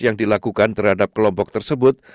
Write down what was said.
yang dilakukan terhadap kelompok tersebut